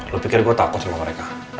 lo pikir gue takut sama mereka